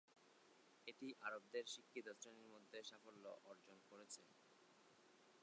এটি আরবদের শিক্ষিত শ্রেণীর মধ্যে সাফল্য অর্জন করেছে।